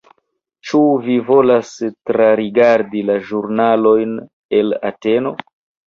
Ĉu vi volas trarigardi la ĵurnalojn el Ateno?